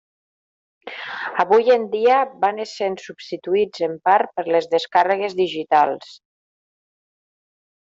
Avui en dia van essent substituïts en part per les descàrregues digitals.